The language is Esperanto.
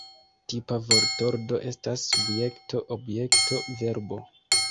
Tipa vortordo estas Subjekto Objekto Verbo.